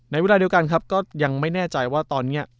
เวลาเดียวกันครับก็ยังไม่แน่ใจว่าตอนนี้